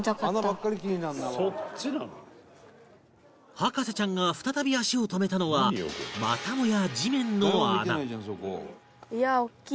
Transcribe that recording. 博士ちゃんが再び足を止めたのはまたもや